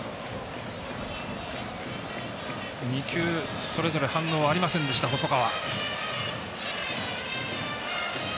２球それぞれ反応ありませんでした、細川。